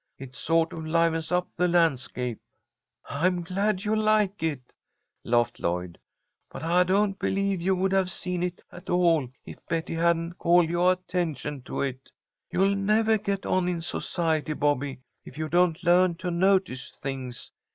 It sort of livens up the landscape." "I'm glad you like it," laughed Lloyd, "but I don't believe you would have seen it at all if Betty hadn't called yoah attention to it. You'll nevah get on in society, Bobby, if you don't learn to notice things.